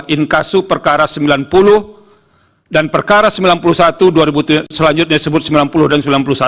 inkasu perkara sembilan puluh dan perkara sembilan puluh satu selanjutnya disebut sembilan puluh dan sembilan puluh satu dua ribu dua puluh tiga